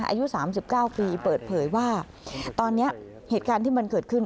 อายุสามสิบเก้าปีเปิดเผยว่าตอนเนี้ยเหตุการณ์ที่มันเกิดขึ้น